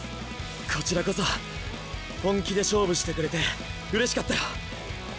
こちらこそ本気で勝負してくれてうれしかったよ。